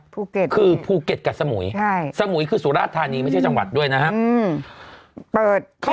ภูเก็ตคือภูเก็ตกับสมุยใช่สมุยคือสุราชธานีไม่ใช่จังหวัดด้วยนะครับ